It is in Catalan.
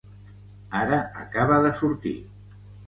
Ara acaba de sortir.